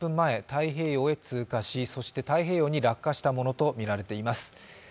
太平洋へ通過し、そして太平洋に落下したものとみられています。